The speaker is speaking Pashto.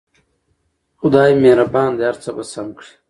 خدای مهربان دی هر څه به سم کړي